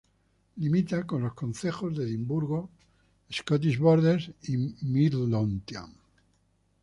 Limita con los concejos de Edimburgo, Scottish Borders y Midlothian.